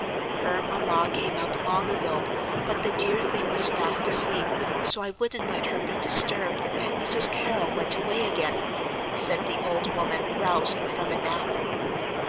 "Her mamma came up long ago, but the dear thing was fast asleep, so I wouldn't let her be disturbed, and Mrs. Carrol went away again," said the old woman, rousing from a nap.